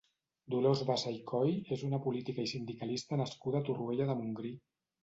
Dolors Bassa i Coll és una política i sindicalista nascuda a Torroella de Montgrí.